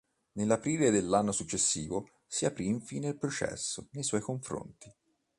Nell'aprile dell'anno successivo si aprì infine il processo nei suoi confronti.